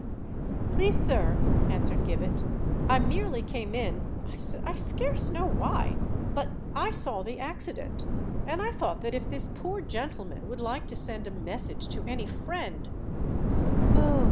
"Please, sir," answered Gibbet, "I merely came in—I scarce know why—but I saw the accident—and I thought that if this poor gentleman would like to send a message to any friend——" "Oh!